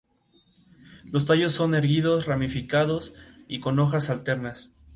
Los tallos son erguidos, ramificados y con hojas alternas.